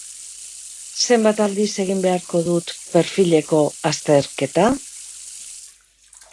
Zenbat aldiz egin beharko dut perfileko azterketa?